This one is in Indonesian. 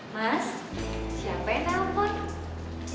mas siapa yang telpon